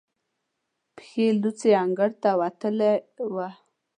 پښې لوڅې انګړ ته وتلې وه.